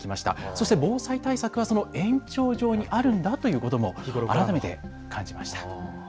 そして防災対策はその延長上にあるんだということを改めて感じました。